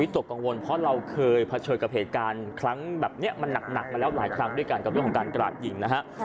ตกกังวลเพราะเราเคยเผชิญกับเหตุการณ์ครั้งแบบนี้มันหนักมาแล้วหลายครั้งด้วยกันกับเรื่องของการกราดยิงนะฮะ